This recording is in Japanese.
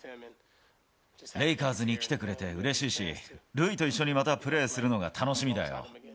レイカーズに来てくれてうれしいし、塁と一緒にまたプレーするのが楽しみだよ。